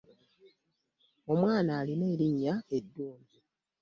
Omwan alina erinnya eddunji .